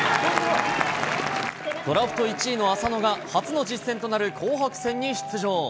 ドラフト１位の浅野が初の実戦となる紅白戦に出場。